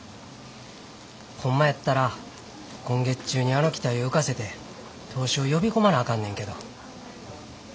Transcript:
ホンマやったら今月中にあの機体を浮かせて投資を呼び込まなあかんねんけど。